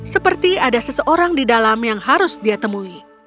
seperti ada seseorang di dalam yang harus dia temui